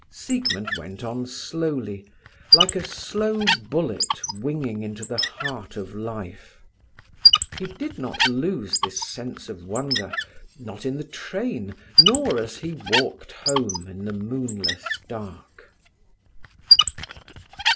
Siegmund went on slowly, like a slow bullet winging into the heart of life. He did not lose this sense of wonder, not in the train, nor as he walked home in the moonless dark.